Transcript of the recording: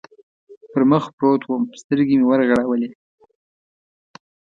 پر مخ پروت ووم، سترګې مې و غړولې.